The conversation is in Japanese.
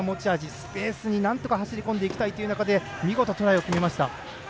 スペースになんとか走り込んでいきたいという中で見事にトライを決めました。